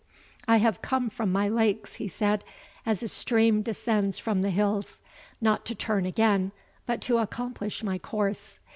"I have come from my lakes," he said, "as a stream descends from the hills, not to turn again, but to accomplish my course.